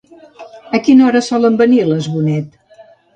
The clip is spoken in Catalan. A quina hora solen venir les Bonet?